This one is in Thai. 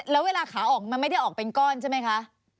แล้วเวลาขาออกมันไม่ได้ออกเป็นก้อนใช่ไหมคะ